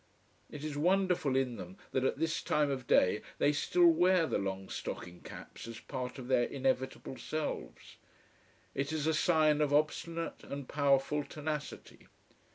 It is wonderful in them that at this time of day they still wear the long stocking caps as part of their inevitable selves. It is a sign of obstinate and powerful tenacity.